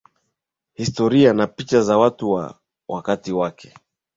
historia na picha za watu wa wakati wake